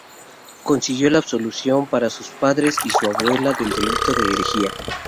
Consiguió la absolución para sus padres y su abuela del delito de herejía.